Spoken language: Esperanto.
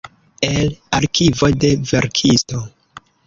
El arkivo de verkisto.